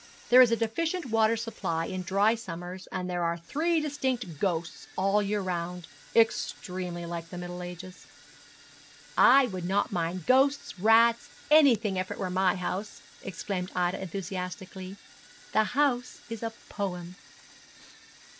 There is a deficient water supply in dry summers, and there are three distinct ghosts all the year round. Extremely like the Middle Ages.' 'I would not mind ghosts, rats, anything, if it were my house' exclaimed Ida, enthusiastically. 'The house is a poem.'